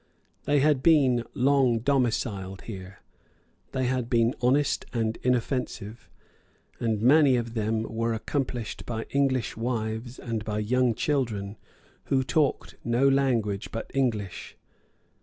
They had been long domiciled here; they had been honest and inoffensive; and many of them were accompanied by English wives and by young children who talked no language but English.